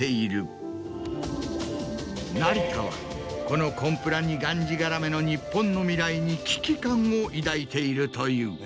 成田はこのコンプラにがんじがらめの日本の未来に危機感を抱いているという。